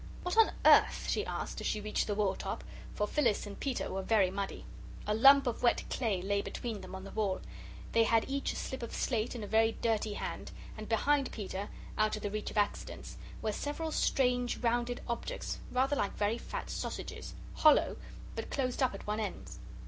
"What on earth?" she asked as she reached the wall top for Phyllis and Peter were very muddy. A lump of wet clay lay between them on the wall, they had each a slip of slate in a very dirty hand, and behind Peter, out of the reach of accidents, were several strange rounded objects rather like very fat sausages, hollow, but closed up at one end.